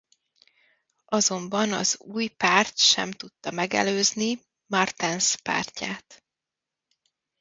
Azonban az új párt sem tudta megelőzni Martens pártját.